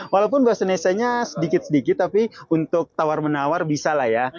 walaupun bahasa indonesia sedikit sedikit tapi untuk tawar menawar bisa lah ya